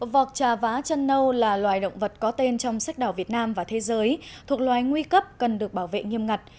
vọc trà vá chân nâu là loài động vật có tên trong sách đỏ việt nam và thế giới thuộc loài nguy cấp cần được bảo vệ nghiêm ngặt